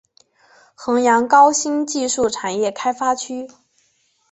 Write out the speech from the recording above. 衡阳高新技术产业开发区